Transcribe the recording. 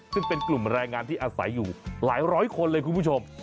ซึ่งเป็นกลุ่มแรงงานที่อาศัยอยู่หลายร้อยคนเลยคุณผู้ชม